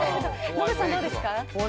ノブさん、どうですか。